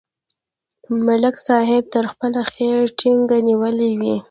ملک صاحب تل خپله خبره ټینګه نیولې وي